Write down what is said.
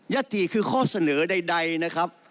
ติคือข้อเสนอใดนะครับ